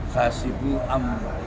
kasih bu amruh